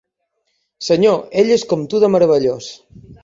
Senyor, ell és com tu de meravellós!